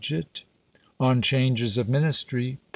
NO. VI. ON CHANGES OF MINISTRY.